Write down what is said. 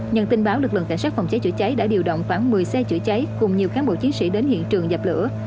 nhận tin báo lực lượng cảnh sát phòng cháy chữa cháy đã điều động khoảng một mươi xe chữa cháy cùng nhiều cán bộ chiến sĩ đến hiện trường dập lửa